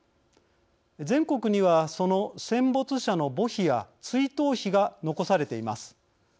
全国には、その戦没者の墓碑や追悼碑が残されています。